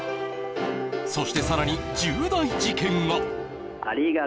そしてさらに重大事件が！